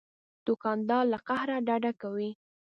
دوکاندار له قهره ډډه کوي.